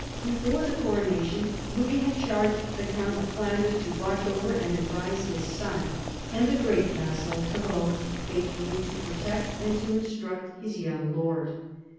Before the corona tion Louis had charged the count of Flanders to watch over and advise his son, and the great vassal took oath faithfully to protect and to instruct his young lord.